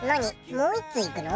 もう一通いくの？